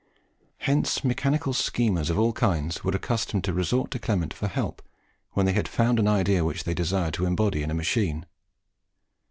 Hence mechanical schemers of all kinds were accustomed to resort to Clement for help when they had found an idea which they desired to embody in a machine.